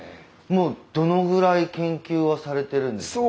どのぐらい研究はされてるんですか？